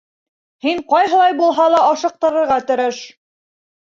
Һин ҡайһылай булһа ла ашыҡтырырға тырыш.